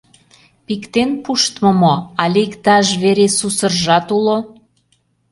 Пиктен пуштмо мо, але иктаж вере сусыржат уло?